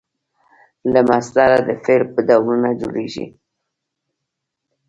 له مصدره د فعل ډولونه جوړیږي.